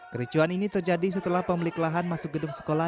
kericuan ini terjadi setelah pemilik lahan masuk gedung sekolah